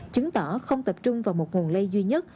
chứng tỏ không tập trung vào một nguồn lây duy nhất